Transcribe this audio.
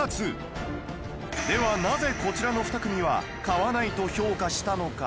ではなぜこちらの２組は「買わない」と評価したのか？